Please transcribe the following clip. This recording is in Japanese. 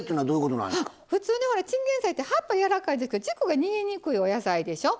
普通ねチンゲン菜って葉っぱ柔らかいですけど軸が煮えにくいお野菜でしょ。